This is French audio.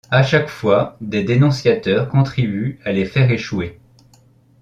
À chaque fois des dénonciateurs contribuent à les faire échouer.